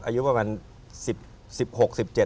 อายุประมาณสิบหกสิบเจ็ด